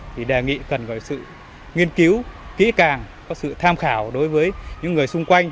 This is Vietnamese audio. thì đề nghị cần có sự nghiên cứu kỹ càng có sự tham khảo đối với những người xung quanh